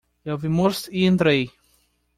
Eu vi Morse e entrei.